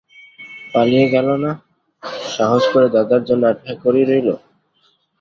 পালিয়ে গেল না, সাহস করে দাদার জন্যে অপেক্ষা করেই রইল।